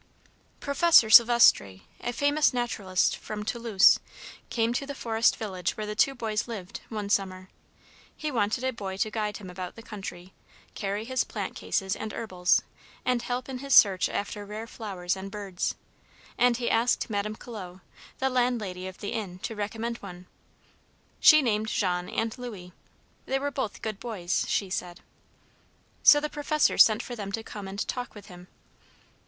Professor Sylvestre, a famous naturalist from Toulouse, came to the forest village where the two boys lived, one summer. He wanted a boy to guide him about the country, carry his plant cases and herbals, and help in his search after rare flowers and birds, and he asked Madame Collot, the landlady of the inn, to recommend one. She named Jean and Louis; they were both good boys, she said. So the professor sent for them to come and talk with him.